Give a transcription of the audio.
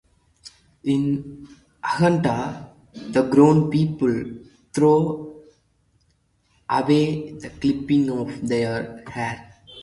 In Uganda, grown people throw away the clippings of their hair.